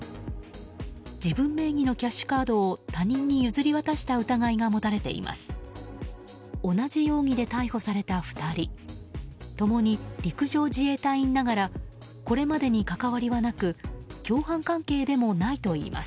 自分名義のキャッシュカードを他人に譲り渡した疑いが持たれています。